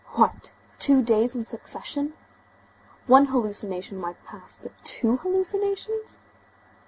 What! Two days in succession! One hallucination might pass, but two hallucinations?